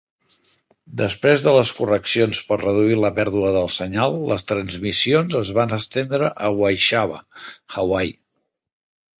Després de les correccions per reduir la pèrdua del senyal, les transmissions es van estendre a Washiawa, Hawaii.